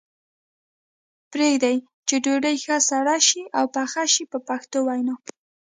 پرېږدي یې چې ډوډۍ ښه سره شي او پخه شي په پښتو وینا.